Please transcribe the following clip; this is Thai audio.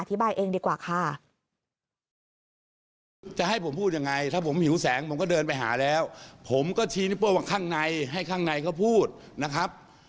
อธิบายเองดีกว่าค่ะ